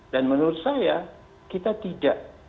dan menurut saya kita tidak